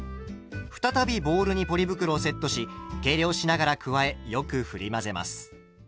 再びボウルにポリ袋をセットし計量しながら加えよくふり混ぜます。